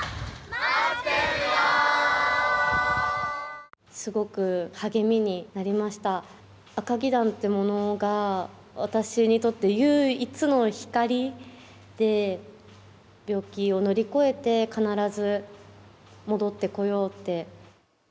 「あかぎ団」ってものが私にとって唯一の光で病気を乗り越えて必ず戻ってこようって。